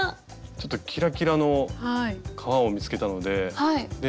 ちょっとキラキラの革を見つけたので。